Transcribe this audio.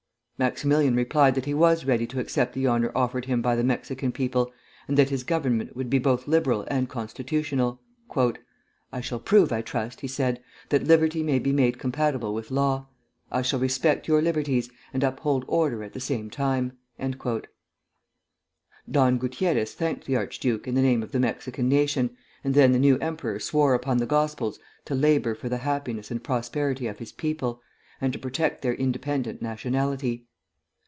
Maximilian replied that he was ready to accept the honor offered him by the Mexican people, and that his government would be both liberal and constitutional. "I shall prove, I trust," he said, "that liberty may be made compatible with law. I shall respect your liberties, and uphold order at the same time." Don Gutierrez thanked the archduke in the name of the Mexican nation, and then the new emperor swore upon the Gospels to labor for the happiness and prosperity of his people, and to protect their independent nationality.